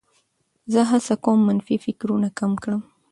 زه هڅه کوم منفي فکرونه کم کړم.